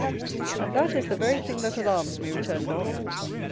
"And that is the very thing that alarms me," returned Dantès.